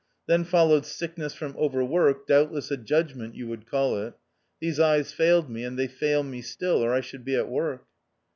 Then followed sickness from overwork, doubtless a judgment you would call it. These eyes failed me, and they fail me still, or I should be at work."